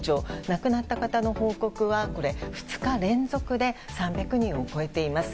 亡くなった方の報告は２日連続で３００人を超えています。